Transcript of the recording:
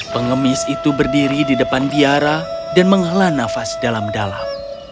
pengemis itu berdiri di depan biara dan menghala nafas dalam dalam